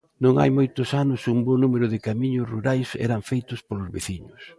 Non hai moitos anos un bo número de camiños rurais eran feitos polos veciños.